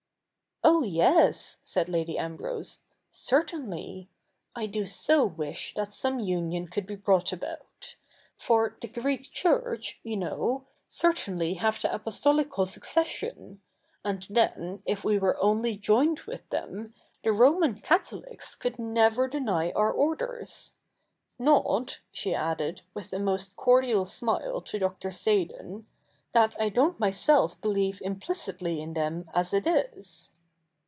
166 THE NEW REPUBLIC [i:k. hi 'Oh )cs," said Lady Ambrose, 'certainl} . 1 do so wish that some union could be brought about. For the Greek Church, you know, certainly have the Apostolical Succession ; and then, if we were only joined with them, the Roman Catholics could never deny our orders — not,' she added, with a most cordial smile to Dr. Seydon. 'that I don't myself believe implicitly in them, as it is.'